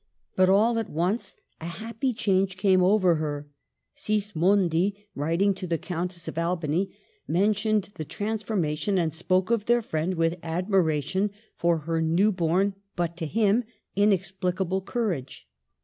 But all at once a happy change came over her. Sismondi, writing to the Countess of Albany, mentioned the transformation, and spoke of their friend with admiration for her new born but to him inexplicable courage.